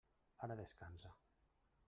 Ara descansa.